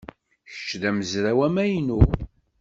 Kečč d amezraw amaynu?